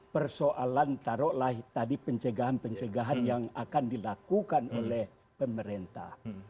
persoalan taruhlah tadi pencegahan pencegahan yang akan dilakukan oleh pemerintah